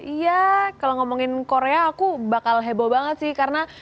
iya kalau ngomongin korea aku bakal heboh banget sih karena